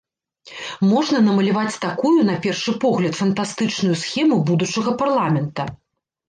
Можна намаляваць такую, на першы погляд, фантастычную схему будучага парламента.